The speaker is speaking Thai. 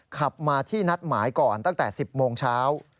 ขับมาที่นัดหมายก่อนตั้งแต่๑๐โมงเช้า